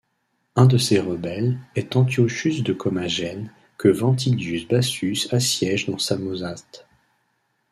Un de ces rebelles est Antiochus de Commagene que Ventidius Bassus assiège dans Samosate.